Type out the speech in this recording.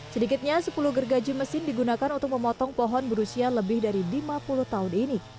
sedikitnya sepuluh gergaji mesin digunakan untuk memotong pohon berusia lebih dari lima puluh tahun ini